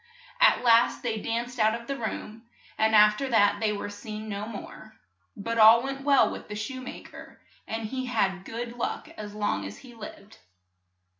At last they danced out of the room, and af ter that they were seen no more. But all went well with the shoe ma ker, and he had good luck as long as he lived.